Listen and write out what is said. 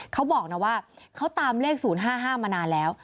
เขาบอกนะว่าเขาตามเลข๐๕๕มานานแล้ว